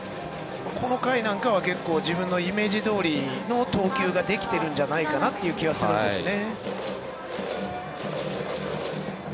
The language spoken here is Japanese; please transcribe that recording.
この回は結構、自分のイメージどおりの投球ができているんじゃないかなという気がするんですね。